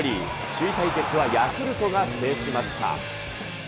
首位対決はヤクルトが制しました。